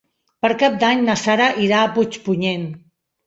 Per Cap d'Any na Sara irà a Puigpunyent.